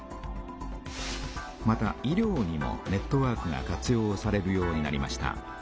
また医療にもネットワークが活用されるようになりました。